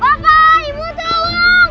bapak ibu tolong